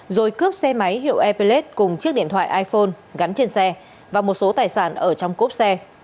rồi cướp xe máy hiệu epella cùng chiếc điện thoại iphone gắn trên xe và một số tài sản ở trong cốp xe